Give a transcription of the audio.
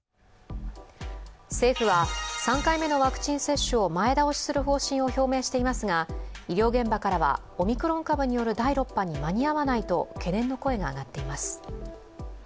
政府は３回目のワクチン接種を前倒しする方針を表明していますが医療現場からはオミクロン株による第６波に間に合わないと懸念の声が上がっています。